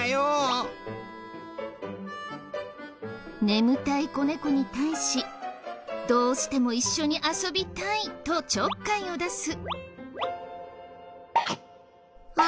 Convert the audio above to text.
眠たい子猫に対しどうしても一緒に遊びたいとちょっかいを出す。